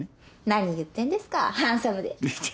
何言ってんですかハンサムで。